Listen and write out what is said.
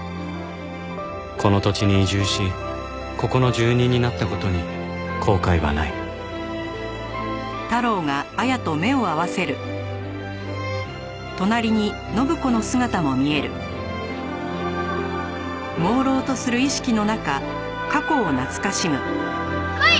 この土地に移住しここの住人になった事に後悔はないこい！